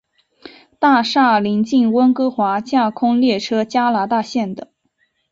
大厦邻近温哥华架空列车加拿大线的。